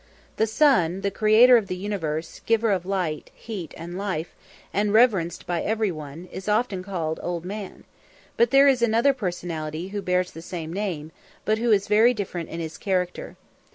The Sun, the creator of the universe, giver of light, heat, and life, and reverenced by every one, is often called Old Man, but there is another personality who bears the same name, but who is very different in his character.